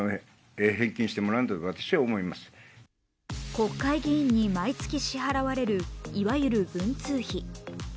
国会議員に毎月支払われるいわゆる文通費。